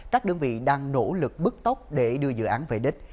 các đơn vị đang nỗ lực bức tốc để đưa dự án về đích